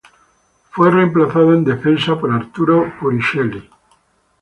Fue reemplazada en Defensa por Arturo Puricelli.